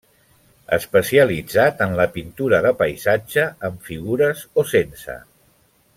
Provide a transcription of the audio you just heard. Especialitzat en la pintura de paisatge amb figures o sense.